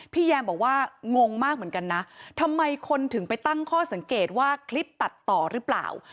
แยมบอกว่างงมากเหมือนกันนะทำไมคนถึงไปตั้งข้อสังเกตว่าคลิปตัดต่อหรือเปล่า